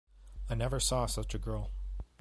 I never saw such a girl!